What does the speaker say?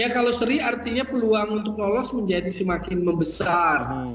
kalau seri artinya peluang untuk lolos menjadi semakin membesar